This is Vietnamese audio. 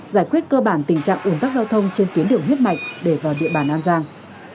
giải quyết cơ bản tình trạng ủn tắc giao thông trên tuyến đường huyết mạch để vào địa bàn an giang